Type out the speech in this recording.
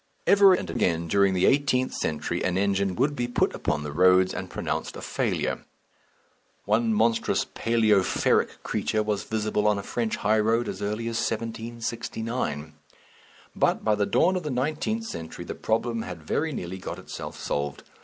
Ever and again during the eighteenth century an engine would be put upon the roads and pronounced a failure one monstrous Palæoferric creature was visible on a French high road as early as 1769 but by the dawn of the nineteenth century the problem had very nearly got itself solved.